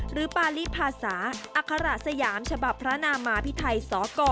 ปาลิภาษาอัคระสยามฉบับพระนามาพิไทยสก